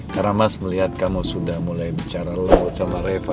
karena mas melihat kamu sudah mulai bicara lembut sama reva